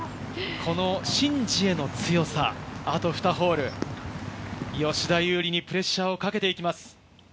シン・ジエの強さ、あと２ホール、吉田優利にプレッシャーをかけていきます。